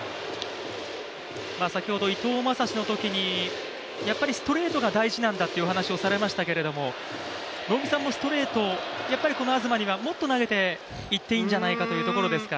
先ほど伊藤将司のときに、やっぱりストレートが大事なんだという話をされましたけど能見さんもストレート、この東にはもっと投げていっていいんじゃないかというところですか？